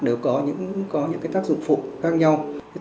đều có những tác dụng phụ khác nhau